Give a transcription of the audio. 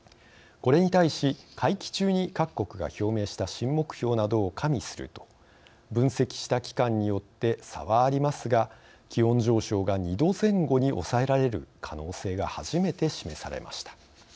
これに対し、会期中に各国が表明した新目標などを加味すると分析した機関によって差はありますが、気温上昇が２℃前後に抑えられる可能性が初めて示されました。